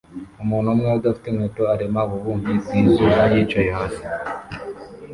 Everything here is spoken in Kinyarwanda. Umuntu umwe udafite inkweto arema ububumbyi bwizuba yicaye hasi